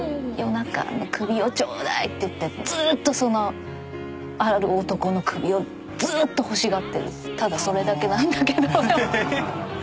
ヨカナーンの首をちょうだいって言ってずっとそのある男の首をずっと欲しがってるってただそれだけなんだけど。